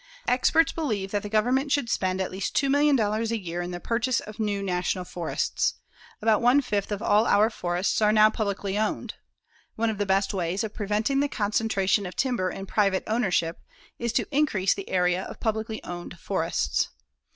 Experts believe that the Government should spend at least $2,000,000 a year in the purchase of new National Forests. About one fifth of all our forests are now publicly owned. One of the best ways of preventing the concentration of timber in private ownership is to increase the area of publicly owned forests.